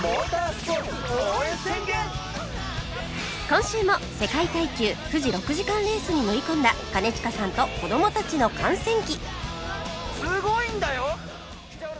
今週も世界耐久富士６時間レースに乗り込んだ兼近さんと子供たちの観戦記！